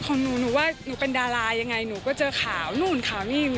ของหนูหนูว่าหนูเป็นดารายังไงหนูก็เจอข่าวนู่นข่าวนี่